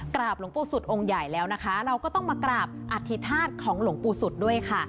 กราบหลงปูสุทธิ์องค์ใหญ่แล้วนะคะเราก็ต้องมากราบอธิษฐาตรของหลงปูสุทธิ์ด้วยค่ะ